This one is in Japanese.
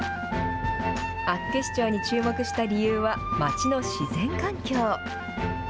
厚岸町に注目した理由は、町の自然環境。